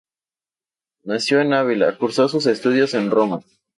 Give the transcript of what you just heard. Nacido en Ávila, cursó sus estudios en Roma.